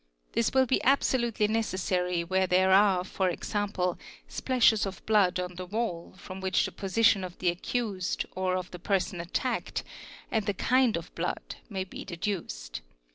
This will be absolutely necessary where there are, forvexample, splashes of blood on the wall, from which the position of the accused, or of the person attacked, and the kind of blood, may be deduced.